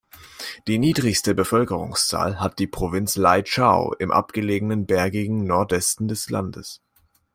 Die niedrigste Bevölkerungszahl hat die Provinz Lai Châu im abgelegenen bergigen Nordwesten des Landes.